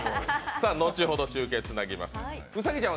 後ほど、中継つなぎます。